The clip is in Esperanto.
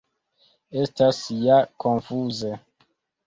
Estas ja konfuze.